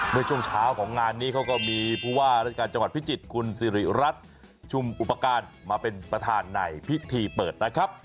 เมื่อช่วงเช้าของงานนี้เขาก็มีผู้ว่าราชการจังหวัดพิจิตรคุณสิริรัตน์ชุมอุปการณ์มาเป็นประธานในพิธีเปิดนะครับ